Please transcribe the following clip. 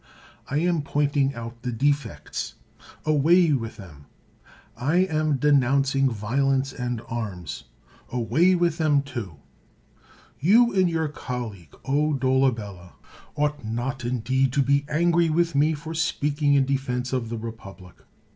I am pointing out the defects ; away with them ! I am denoun cing violence and arms ; away with them, too ! You and your colleag, O Dolabella, ought not, indeed, to be angry with me for speaking in defense of the republic.